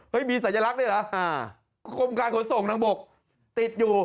เฮ้ยมีสัญลักษณ์ได้หรออ่าคมการขนส่งทั้งบกติดอยู่